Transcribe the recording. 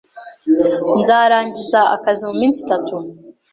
Nzarangiza akazi muminsi itanu